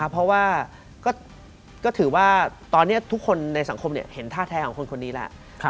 เพราะว่าก็ถือว่าตอนนี้ทุกคนในสังคมเห็นท่าแท้ของคนคนนี้แล้ว